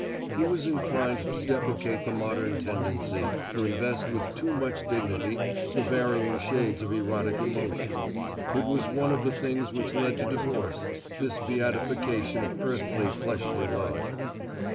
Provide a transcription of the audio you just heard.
He was inclined to deprecate the modern tendency to invest with too much dignity the varying shades of erotic emotion. It was one of the things which led to divorce this beatification of earthly, fleshly love.